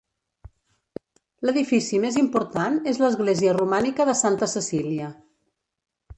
L'edifici més important és l'església romànica de Santa Cecília.